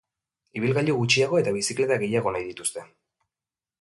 Ibilgailu gutxiago eta bizikleta gehiago nahi dituzte.